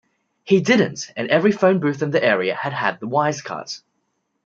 He didn't, and every phone booth in the area had had the wires cut.